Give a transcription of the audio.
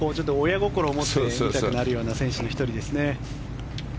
親心を持って見たくなる選手の１人ですね。